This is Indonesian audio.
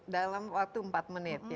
dalam waktu empat menit